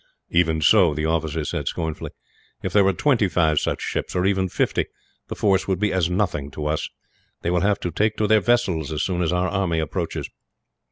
"Even so," the officer said scornfully; "if there were twenty five such ships, or even fifty, the force would be as nothing to us. They will have to take to their vessels, as soon as our army approaches."